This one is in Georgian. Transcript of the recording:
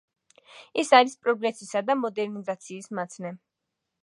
ის არის პროგრესისა და მოდერნიზაციის მაცნე.